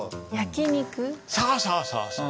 そうそうそうそう！